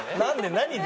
何で？